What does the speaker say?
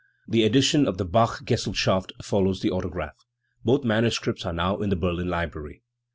The edition of the Bachgesellschaft follows the autograph. Both manuscripts are now in the Berlin Library.